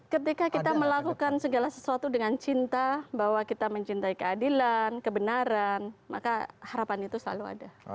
ketika kita melakukan segala sesuatu dengan cinta bahwa kita mencintai keadilan kebenaran maka harapan itu selalu ada